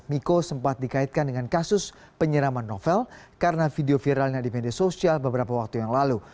miko sempat dikaitkan dengan kasus penyeraman novel karena video viralnya di media sosial beberapa waktu yang lalu